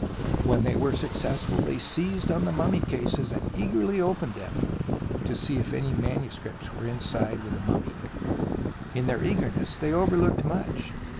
When they were successful they seized on the mummy cases and eagerly opened them to see if any manuscripts were inside with the mummy. In their eagerness they overlooked much.